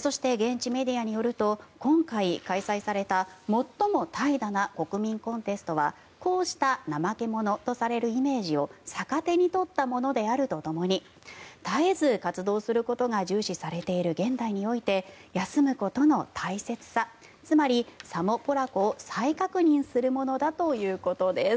そして、現地メディアによると今回、開催された最も怠惰な国民コンテストはこうした怠け者とされるイメージを逆手に取ったものであるとともに絶えず活動することが重視されている現代において休むことの大切さつまりサモ・ポラコを再確認するものだということです。